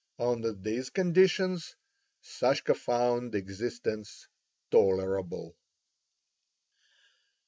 On these conditions Sashka found existence tolerable.